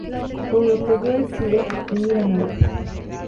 Con lo que yo he sido, y mírame ahora